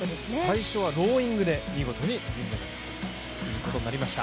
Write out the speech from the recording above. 最初はローイングで見事に銀メダルということになりました。